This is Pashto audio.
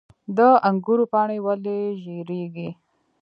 د انګورو پاڼې ولې ژیړیږي؟